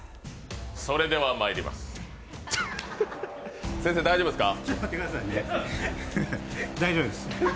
それではまいります、先生、大丈夫ですか？